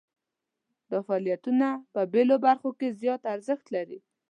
دا فعالیتونه په بیلو برخو کې زیات ارزښت لري.